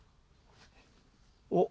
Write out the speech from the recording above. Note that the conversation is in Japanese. おっ。